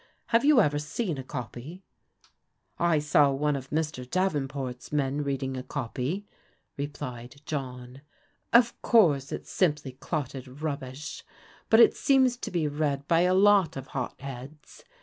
Have you ever seen a copy ?"" I saw one of Mr. Davenport's men reading a copy," replied John. " Of course it's simply clotted rubbish, but it seems to be read by a lot of hot heads.